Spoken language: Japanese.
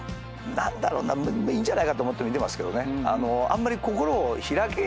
何だろうないいんじゃないかって思って見てますけどね。